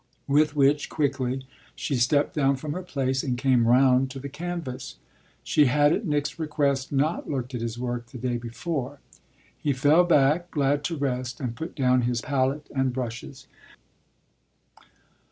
with which, quickly, she stepped down from her place and came round to the canvas. She had at Nick's request not looked at his work the day before. He fell back, glad to rest, and put down his palette and brushes.